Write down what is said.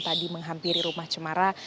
tadi menghampiri rumah cemara